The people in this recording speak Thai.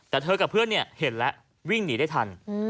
แต่เธอกับเพื่อนเห็นแล้ววิ่งหนีได้ทัน